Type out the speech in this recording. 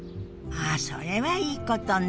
あそれはいいことね。